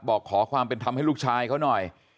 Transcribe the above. บอกขอความเป็นธรรมให้ลูกชายเขาหน่อย